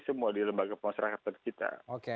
semua di lembaga pemasyarakatan kita